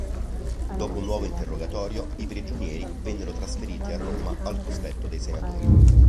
Dopo un nuovo interrogatorio i prigionieri vennero trasferiti a Roma al cospetto dei senatori.